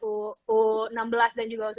u enam belas dan juga u sembilan belas